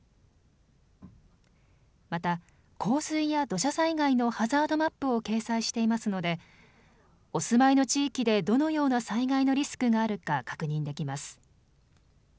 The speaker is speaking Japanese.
また、洪水や土砂災害のハザードマップを掲載していますのでお住まいの地域でどのような災害のリスクがあるか確認できます。